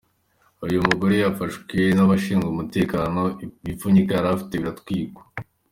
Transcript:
Uyu mugore yafashwe n’abashinzwe umutekano, ibipfunyika yari afite biratwikwa.